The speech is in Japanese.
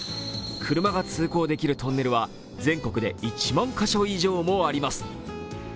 車が通行できるトンネルは全国で１万カ所以上もあります。